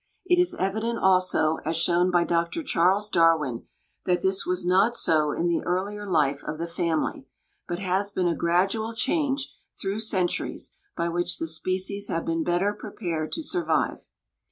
It is evident also, as shown by Dr. Charles Darwin, that this was not so in the earlier life of the family, but has been a gradual change, through centuries, by which the species have been better prepared to survive.